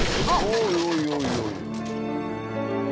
おいおいおいおい！